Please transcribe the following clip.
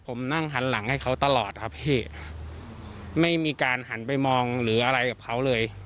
ผมนั่งหันหลังให้เขาตลอดครับพี่ไม่มีการหันไปมองหรืออะไรกับเขาเลย